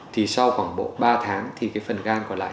thì sau khoảng bộ ba tháng thì cái phần gan còn lại